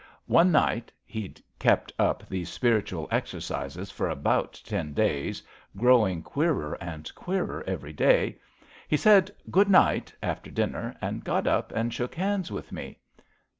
One night he 'd kept up these spiritual exercises for about ten days, growing queerer and queerer every day — ^he said * Good night ' after dinner, and got up and shook hands with me."